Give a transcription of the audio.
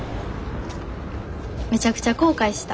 めちゃくちゃ後悔した。